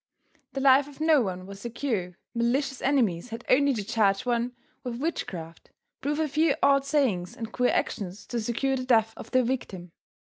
The life of no one was secure, malicious enemies had only to charge one with witchcraft, prove a few odd sayings and queer actions to secure the death of their victim.